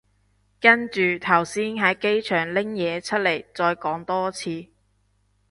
跟住頭先喺機場拎嘢出嚟再講多次